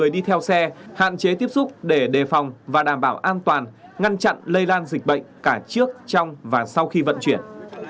đi theo xe hạn chế tiếp xúc để đề phòng và đảm bảo an toàn ngăn chặn lây lan dịch bệnh cả trước trong và sau khi vận chuyển